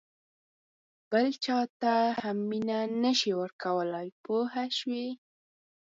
بل چاته هم مینه نه شې ورکولای پوه شوې!.